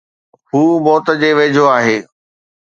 هو موت جي ويجهو آهي